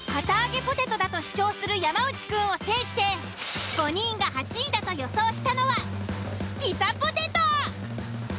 ポテトだと主張する山内くんを制して５人が８位だと予想したのはピザポテト。